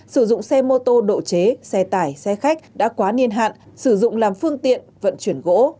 sử dụng xe mô tô độ chế xe tải xe khách đã quá niên hạn sử dụng làm phương tiện vận chuyển gỗ